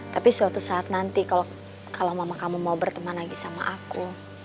tapi suatu saat nanti kalau mama kamu mau berteman lagi sama aku